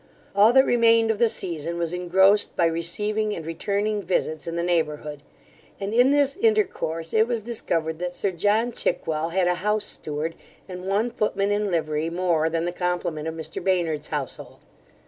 All that remained of the season was engrossed by receiving and returning visits in the neighbourhood; and, in this intercourse it was discovered that sir John Chickwell had a house steward and one footman in livery more than the complement of Mr Baynard's household.